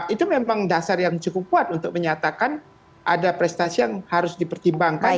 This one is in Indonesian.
itu memang dasar yang cukup kuat untuk menyatakan ada prestasi yang harus dipertimbangkan